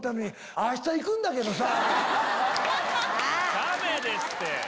ダメですって！